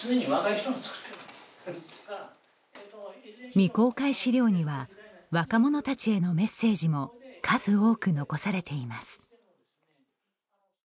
未公開資料には若者たちへのメッセージも数多く残されています。